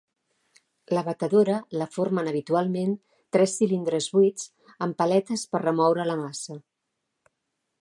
La batedora la formen habitualment tres cilindres buits amb paletes per remoure la massa.